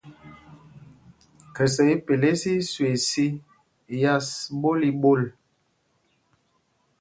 Khɛsɛ ipelês í í swee sī yas ɓól í ɓol.